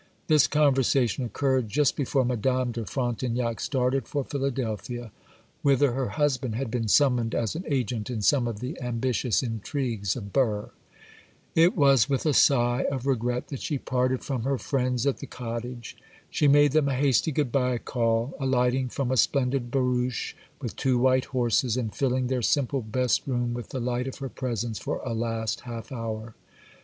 This conversation occurred just before Madame de Frontignac started for Philadelphia, whither her husband had been summoned as an agent in some of the ambitious intrigues of Burr. It was with a sigh of regret that she parted from her friends at the cottage. She made them a hasty good bye call,—alighting from a splendid barouche with two white horses, and filling their simple best room with the light of her presence for a last half hour.